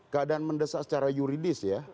keadaan mendesak secara yuridis ya